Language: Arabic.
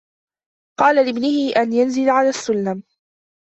قال لابنه أن ينزل عن السلم.